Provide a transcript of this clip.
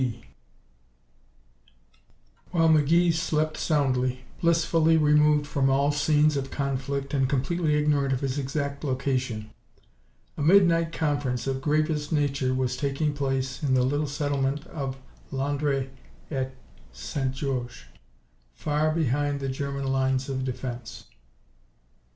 2 While McGee slept soundly, blissfully removed from all scenes of conflict and completely ignorant of his exact location, a midnight conference of gravest nature was taking place in the little settlement of Landres et St. Georges, far behind the German lines of defense.